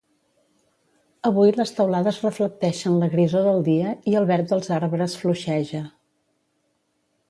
Avui les teulades reflecteixen la grisor del dia I el verd dels arbres fluixeja